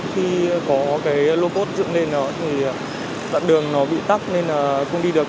khi có cái lô cốt dựng lên thì đoạn đường nó bị tắc nên là không đi được